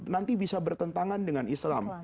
nanti bisa bertentangan dengan islam